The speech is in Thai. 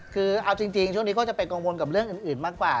คือเอาจริงช่วงนี้เขาจะไปกังวลกับเรื่องอื่นมากกว่า